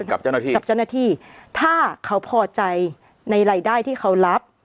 กับเจ้าหน้าที่ถ้าเขาพอใจในรายได้ที่เขารับ